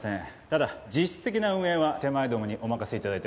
ただ実質的な運営は手前どもにお任せ頂いてますんで。